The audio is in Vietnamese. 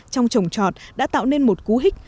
trong trồng trọt đã tạo nên một cú hích